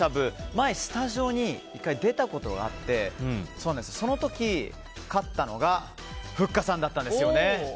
前スタジオに１回出たことがあってその時、勝ったのがふっかさんだったんですよね。